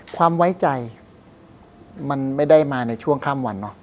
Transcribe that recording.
ความไว้ใจมันไม่ได้มาในช่วงข้ามวันเนอะ